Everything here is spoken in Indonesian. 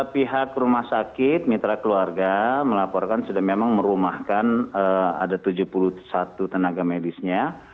pihak rumah sakit mitra keluarga melaporkan sudah memang merumahkan ada tujuh puluh satu tenaga medisnya